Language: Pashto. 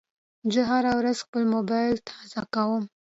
زه هره ورځ خپل موبایل تازه کوم.